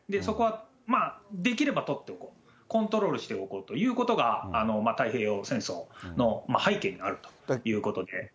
そこはまあ、できれば取っておこう、コントロールしておこうっていうことが、太平洋戦争の背景にあるということで。